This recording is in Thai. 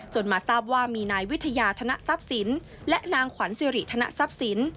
จนมาทราบว่ามีนายวิทยาธนสับสินและนางขวัญสิริธนสับสิน